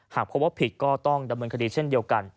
หากพบว่าผิดก็ต้องดำเนินคดีเช่นเดียวกัน